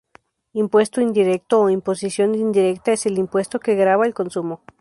Impuesto indirecto o imposición indirecta es el impuesto que grava el consumo.